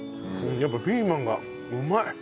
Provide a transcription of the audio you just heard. やっぱピーマンがうまい。